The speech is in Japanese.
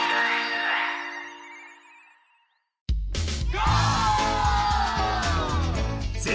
ゴー！